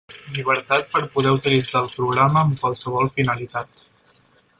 Llibertat per poder utilitzar el programa amb qualsevol finalitat.